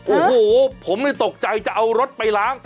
โอ้โหผมตกใจจะเอารถไปล้าง